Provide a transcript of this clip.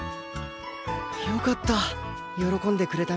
よかった喜んでくれたみたいで